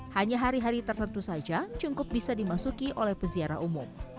hanya hari hari tertentu saja cungkup bisa dimasuki oleh peziarah umum